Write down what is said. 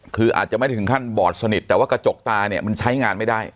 คืออาจจะไม่ได้ถึงขั้นบอดสนิทแต่ว่ากระจกตาเนี่ยมันใช้งานไม่ได้